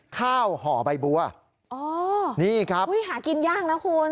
ข้าวห่อใบบัวนี่ครับหากินยากนะคุณ